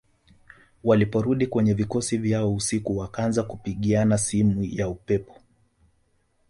Waliporudi kwenye vikosi vyao usiku wakaanza kupigiana simu ya upepo